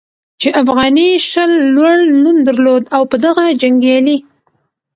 چې افغاني شل لوړ نوم درلود او په دغه جنګیالي